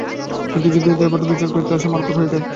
কিন্তু যদি দৈবাৎ বিচার করতে বসে তবে মারত্মক হয়ে ওঠে।